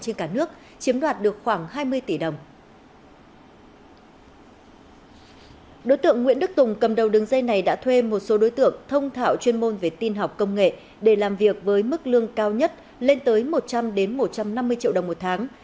nguyễn đức tùng cầm đầu đường dây này đã thuê một số đối tượng thông thảo chuyên môn về tin học công nghệ để làm việc với mức lương cao nhất lên tới một trăm linh một trăm năm mươi triệu đồng một tháng